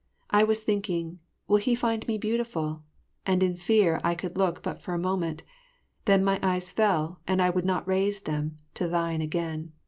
I was thinking, "Will he find me beautiful?" and in fear I could look but for a moment, then my eyes fell and I would not raise then to thine again.